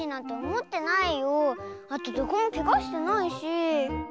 あとどこもケガしてないし。